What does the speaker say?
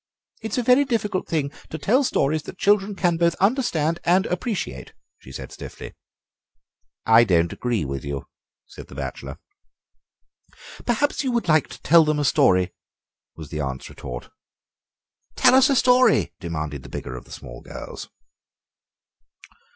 "It's a very difficult thing to tell stories that children can both understand and appreciate," she said stiffly. "I don't agree with you," said the bachelor. "Perhaps you would like to tell them a story," was the aunt's retort. "Tell us a story," demanded the bigger of the small girls.